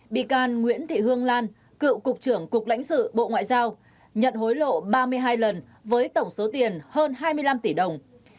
bị can nguyễn thị hương lan cựu cục trưởng cục lãnh sự bộ ngoại giao nhận hối lộ ba mươi hai lần với tổng số tiền hơn hai mươi năm tỷ đồng